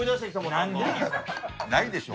ないでしょ。